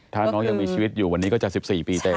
ถ้าน้องยังมีชีวิตอยู่วันนี้ก็จะ๑๔ปีเต็ม